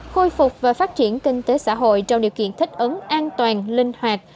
khôi phục và phát triển kinh tế xã hội trong điều kiện thích ứng an toàn linh hoạt